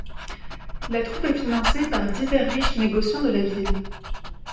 La troupe est financée par divers riches négociants de la ville.